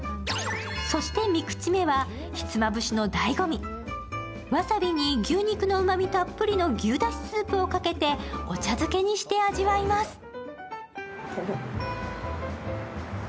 そして３口目はひつまぶしのだいご味、わさびに牛肉のうまみたっぷりの牛だしスープをかけてお茶漬けにして味わいます。